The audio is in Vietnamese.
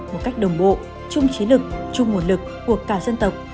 một cách đồng bộ chung chế lực chung nguồn lực của cả dân tộc